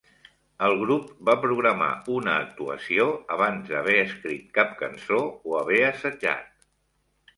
El grup va programar una actuació abans d'haver escrit cap cançó o haver assajat.